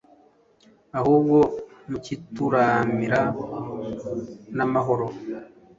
ahubwo mukituramira namahoro!